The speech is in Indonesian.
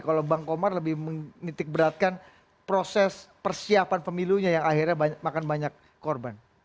kalau bang komar lebih menitik beratkan proses persiapan pemilunya yang akhirnya makan banyak korban